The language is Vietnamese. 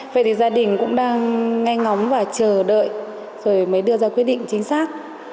vậy thì gia đình cũng đang nghe ngóng và chờ đợi rồi mới đưa ra quyết định chính xác